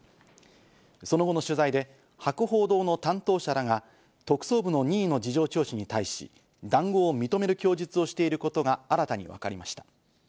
その後の取材で博報堂の担当者らが特捜部の任意の事情聴取に対し、談合を認める供述をしていることが新たに分かりました。